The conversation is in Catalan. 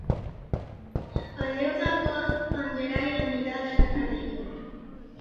El deu d'agost en Gerai anirà a la Granadella.